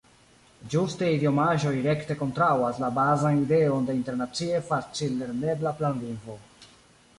Ĝuste idiomaĵoj rekte kontraŭas la bazan ideon de internacie facil-lernebla planlingvo.